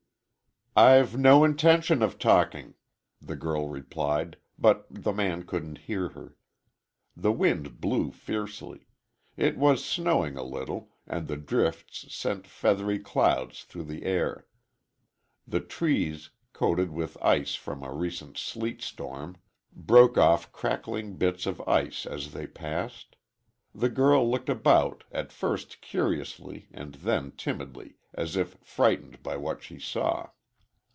"I've no intention of talking," the girl replied, but the man couldn't hear her. The wind blew fiercely. It was snowing a little, and the drifts sent feathery clouds through the air. The trees, coated with ice from a recent sleet storm, broke off crackling bits of ice as they passed. The girl looked about, at first curiously, and then timidly, as if frightened by what she saw.